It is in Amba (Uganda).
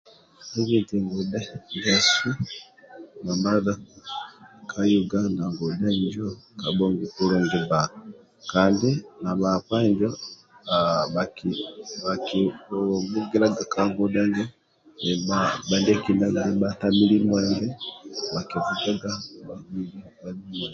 Gia eti ngudhe ndiasu mamadha ka Yuganda ndudhe injo kabhongi bba kandi na bhakpa injo bhakivugiliaga ka ngudhe injo bhatamili mwenge bhakivugaga bhanu mwenge